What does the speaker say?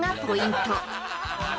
ポイント